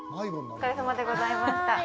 お疲れさまでございました。